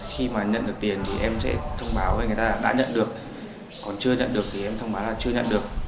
khi mà nhận được tiền thì em sẽ thông báo về người ta đã nhận được còn chưa nhận được thì em thông báo là chưa nhận được